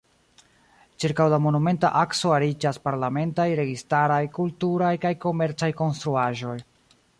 Ĉirkaŭ la Monumenta akso ariĝas parlamentaj, registaraj, kulturaj kaj komercaj konstruaĵoj.